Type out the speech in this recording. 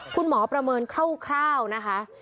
คุณหมอประเมินคร่าวนะคะ